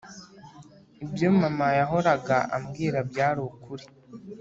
“ibyo mama yahoraga ambwira byari ukuri”.